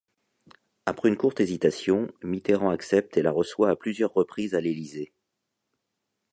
Après une courte hésitation, Mitterrand accepte et la reçoit à plusieurs reprises à l’Elysée.